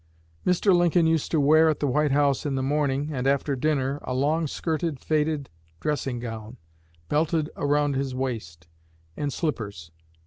Mr. Lincoln used to wear at the White House in the morning, and after dinner, a long skirted faded dressing gown, belted around his waist, and slippers.